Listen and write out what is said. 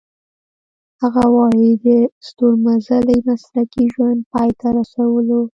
هغه وايي د ستورمزلۍ مسلکي ژوند پای ته رسولو .